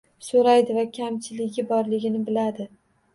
So'raydi va kamchiligi borligini biladi.